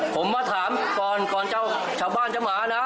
ผมมาถามก่อนจากชาวบ้านจมหานะ